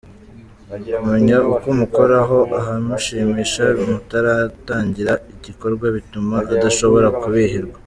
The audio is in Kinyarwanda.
Kumenya uko umukoraho, ahamushimisha mutaratangira igikorwa bituma adashobora kubihirwa.